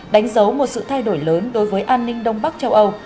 đánh dấu một sự thay đổi lớn đối với an ninh đông bắc châu âu